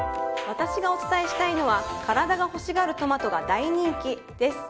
私がお伝えしたいのは体が欲しがるトマトが大人気です。